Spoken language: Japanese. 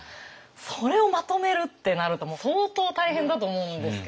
それをまとめるってなるともう相当大変だと思うんですけど。